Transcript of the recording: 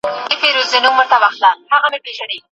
هغوی له پخوا څخه د خپل راتلونکي لپاره اوږدمهالی فکر کړی و.